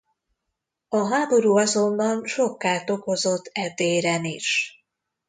A háború azonban sok kárt okozott e téren is.